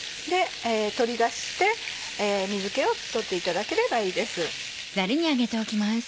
取り出して水気を取っていただければいいです。